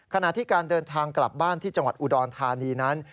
ขณะที่การเดินทางกลับบ้านที่จังหวัดอุดรธานีนั้น